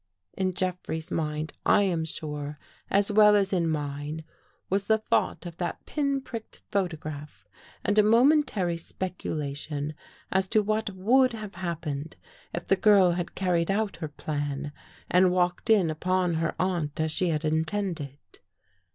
In Jeffrey's mind, I am sure, as well as in mine, was the thought of that pin pricked photograph and a momentary speculation as to what would have happened if the girl had carried out her plan and walked in upon her aunt as she had intended.